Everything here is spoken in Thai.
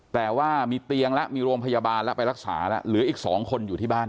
แต่ว่ามีเตียงแล้วมีโรงพยาบาลแล้วไปรักษาแล้วเหลืออีก๒คนอยู่ที่บ้าน